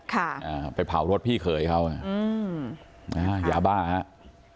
ครูจะฆ่าแม่ไม่รักตัวเอง